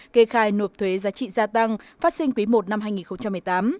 kê khai nộp thuế giá trị gia tăng phát sinh quý i năm hai nghìn một mươi tám